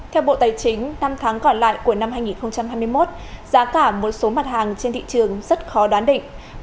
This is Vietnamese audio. theo bộ tài chính năm tháng còn lại của năm hai nghìn hai mươi một giá cả một số mặt hàng trên thị trường rất khó đoán định